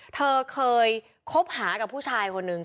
เธอเคยคบหากับผู้ชายคนนึง